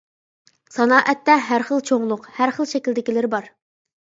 سانائەتتە ھەر خىل چوڭلۇق، ھەر خىل شەكىلدىكىلىرى بار.